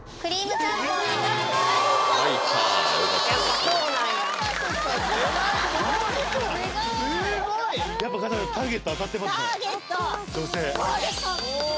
ターゲット当たってますね